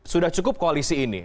sudah cukup koalisi ini